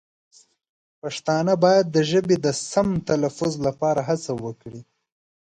پښتانه باید د ژبې د سمې تلفظ لپاره هڅه وکړي.